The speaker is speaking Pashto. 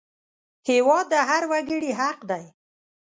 هېواد د هر وګړي حق دی